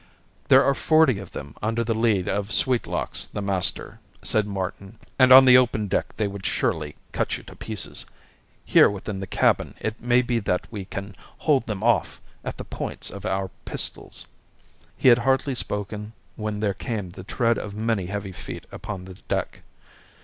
"There are forty of them under the lead of Sweetlocks, the master," said Martin, "and on the open deck they would surely cut you to pieces. Here within the cabin it may be that we can hold them off at the points of our pistols." He had hardly spoken when there came the tread of many heavy feet upon the deck.